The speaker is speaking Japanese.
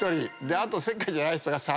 あとせっかちじゃない人が３人。